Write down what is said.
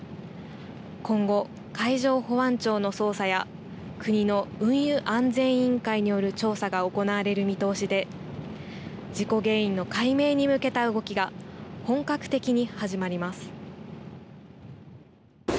今後、海上保安庁の捜査や国の運輸安全委員会による調査が行われる見通しで事故原因の解明に向けた動きが本格的に始まります。